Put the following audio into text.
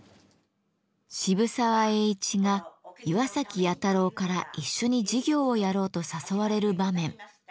渋沢栄一が岩崎弥太郎から一緒に事業をやろうと誘われる場面。